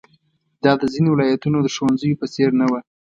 دا د ځینو ولایتونو د ښوونځیو په څېر نه وه.